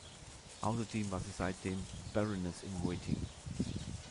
Außerdem war sie seitdem "Baroness in waiting".